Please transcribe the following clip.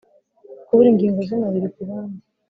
kubura ingigo z’umubiri ku bandi,